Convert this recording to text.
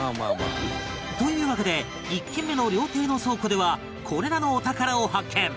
というわけで１軒目の料亭の倉庫ではこれらのお宝を発見